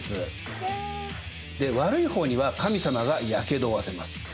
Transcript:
いや！で悪い方には神様がやけどを負わせます。